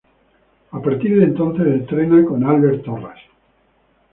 A partir de entonces, entrena con Albert Torras.